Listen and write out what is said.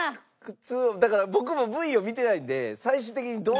靴だから僕もＶを見てないんで最終的にどう。